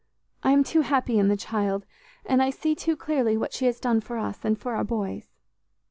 I am too happy in the child, and I see too clearly what she has done for us and for our boys."